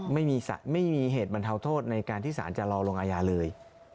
ไม่มีเหตุบรรเทาโทษในการที่สารจะรอลงอาญาเลย